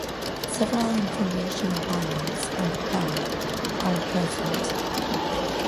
Several information panels on the park are present.